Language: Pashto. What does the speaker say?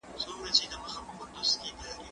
زه اوس د ښوونځی لپاره تياری کوم؟